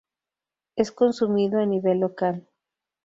Es consumido a nivel local.